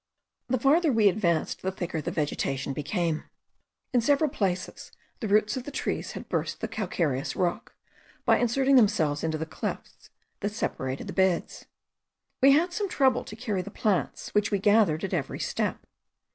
The farther we advanced the thicker the vegetation became. In several places the roots of the trees had burst the calcareous rock, by inserting themselves into the clefts that separate the beds. We had some trouble to carry the plants which we gathered at every step.